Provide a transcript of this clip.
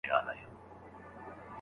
زوی موزيم ته لا نه دی تللی.